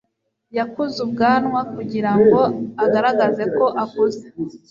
Yakuze ubwanwa kugirango agaragare ko akuze.